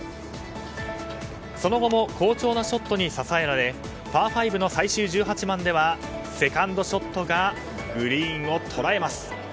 その後も好調なショットに支えられパー５の最終１８番ではセカンドショットがグリーンを捉えます。